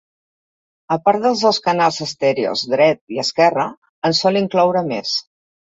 A part dels dos canals estèreos dret i esquerre, en sol incloure més.